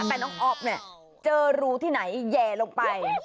แต่น้องอ๊อฟเนี่ยเจอรูที่ไหนแย่ลงไป